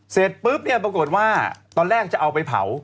เสร็จปุ๊บเนี่ยปรากฏว่าตอนแรกจะเอาไปเผา